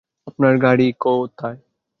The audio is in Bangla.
আপনার গাড়ি কোথায়?